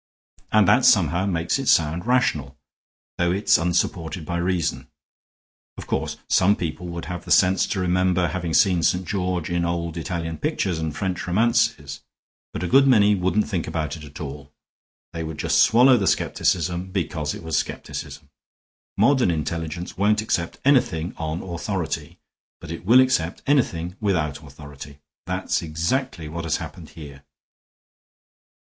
And that somehow makes it sound rational, though it is unsupported by reason. Of course some people would have the sense to remember having seen St. George in old Italian pictures and French romances, but a good many wouldn't think about it at all. They would just swallow the skepticism because it was skepticism. Modern intelligence won't accept anything on authority. But it will accept anything without authority. That's exactly what has happened here.